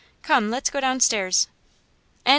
Come, let's go downstairs." XIV.